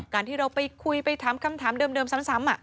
การที่เราไปคุยไปถามคำถามเดิมซ้ำ